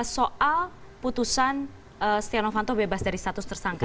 soal putusan stiano fanto bebas dari status tersangka